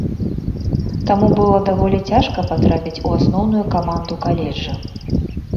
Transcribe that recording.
Таму было даволі цяжка патрапіць у асноўную каманду каледжа.